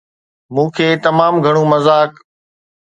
مون کي تمام گهڻو مذاق